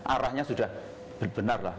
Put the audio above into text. arahnya sudah benar lah